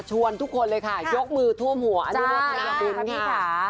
ชวนทุกคนเลยค่ะยกมือท่วมหัวอันนี้ว่าธนาปิมป์ค่ะ